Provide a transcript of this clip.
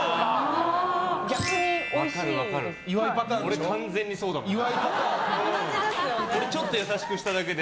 俺、完全にそうだもんね。